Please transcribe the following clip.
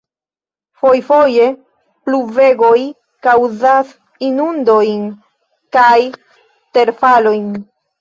Fojfoje pluvegoj kaŭzas inundojn kaj terfalojn.